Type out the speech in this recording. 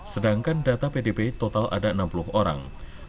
sedangkan data pdb total ada enam puluh orang